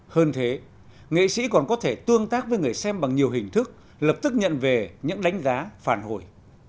hơn thế nghệ sĩ còn có thể tương tác với người xem bằng nhiều hình thức lập tức nhận về những đánh giá phản hồi